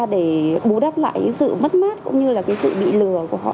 để bú đắp lại sự mất mát cũng như là sự bị lừa của họ